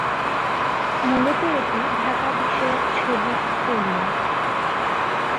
মূলত এটি ঢাকা বিষয়ক ছবির ফোলিয়ো।